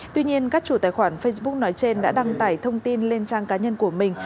tuy nhiên các chủ tài khoản facebook nói trên đã đăng tải thông tin lên trang cá nhân của mình